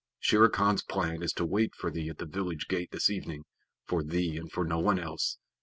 Shere Khan's plan is to wait for thee at the village gate this evening for thee and for no one else.